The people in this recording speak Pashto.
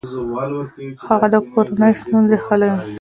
هغه د کورنۍ ستونزې حلوي.